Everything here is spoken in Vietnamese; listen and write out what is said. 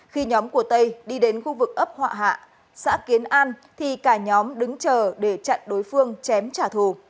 khi nhóm của tây đi đến khu vực ấp họa hạ xã kiến an thì cả nhóm đứng chờ để chặn đối phương chém trả thù